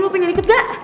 lo pengen ikut gak